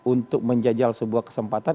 untuk menjajal sebuah kesempatan